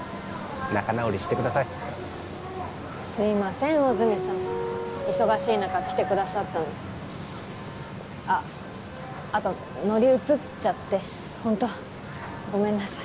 仲直りしてくださいすいません魚住さん忙しい中来てくださったのにああとのりうつっちゃってホントごめんなさい